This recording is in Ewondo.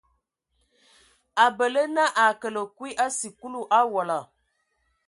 A bələ na a kələ kui a sikulu owola.